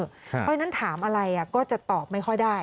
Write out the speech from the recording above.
เพราะฉะนั้นถามอะไรก็จะตอบไม่ค่อยได้